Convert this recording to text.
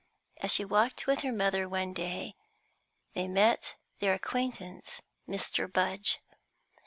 As she walked with her mother one day, they met their acquaintance, Mr. Rudge.